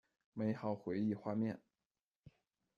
美好回忆画面